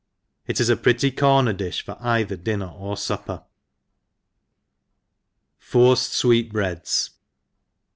—— It is a pretty corner difh for either dinner or fupper. Forced Sweet Breads.